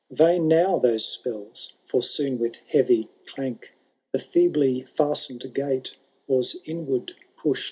Vain now those spells ; for soon with heavy clank The feebly fasten'd gate was inward pushed.